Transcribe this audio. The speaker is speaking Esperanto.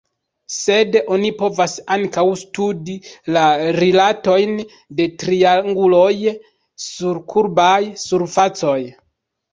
Sed oni povas ankaŭ studi la rilatojn de trianguloj sur kurbaj surfacoj.